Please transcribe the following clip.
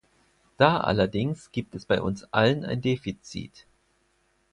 Da allerdings gibt es bei uns allen ein Defizit.